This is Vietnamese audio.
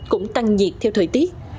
cũng tăng nhiệt theo thời tiết